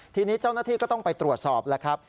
ทีนี้เจ้าหน้าที่ก็ต้องไปตรวจสอบแล้วครับ